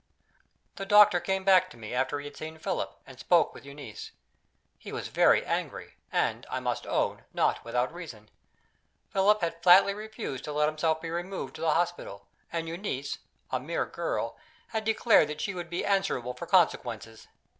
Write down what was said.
The doctor came back to me, after he had seen Philip, and spoken with Euneece. He was very angry; and, I must own, not without reason. Philip had flatly refused to let himself be removed to the hospital; and Euneece "a mere girl" had declared that she would be answerable for consequences!